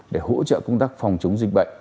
để hỗ trợ công tác phòng chống dịch bệnh